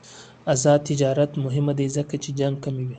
آزاد تجارت مهم دی ځکه چې جنګ کموي.